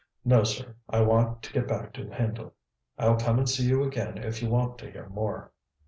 "No, sir. I want to get back to Hendle. I'll come and see you again if you want to hear more."